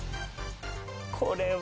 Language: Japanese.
これは。